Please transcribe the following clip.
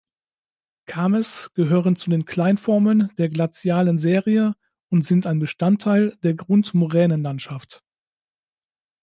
Kames gehören zu den Kleinformen der glazialen Serie und sind ein Bestandteil der Grundmoränenlandschaft.